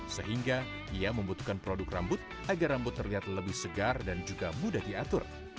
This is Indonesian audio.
sehingga ia membutuhkan produk rambut agar rambut terlihat lebih segar dan juga mudah diatur